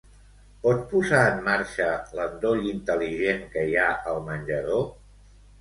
Pots posar en marxa l'endoll intel·ligent que hi ha al menjador?